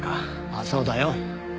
ああそうだよ。